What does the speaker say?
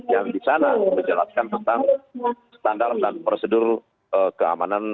yang di sana menjelaskan tentang standar dan prosedur keamanan